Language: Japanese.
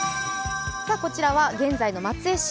こちらは現在の松江市。